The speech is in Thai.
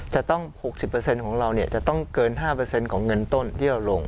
จะต้อง๖๐ของเราจะต้องเกิน๕ของเงินต้นที่เราลง